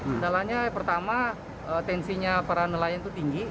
kendalanya pertama tensinya para nelayan itu tinggi